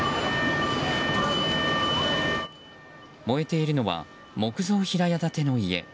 燃えているのは木造平屋建ての家。